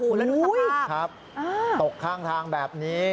แล้วดูสภาพครับตกข้างทางแบบนี้